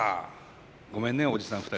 ごめんねおじさん２人。